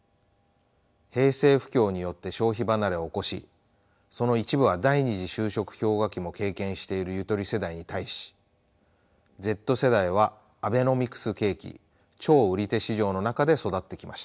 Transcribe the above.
平成不況によって消費離れを起こしその一部は第二次就職氷河期も経験しているゆとり世代に対しＺ世代はアベノミクス景気超売り手市場の中で育ってきました。